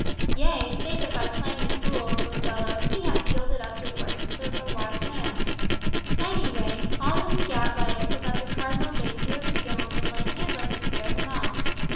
"Yea, save that by playing the fool, poor fellow, he hath yielded up the rights of a wise man. Any way, all he gat by it was that the Cardinal bade two of the yeomen lay hands on him and bear him off.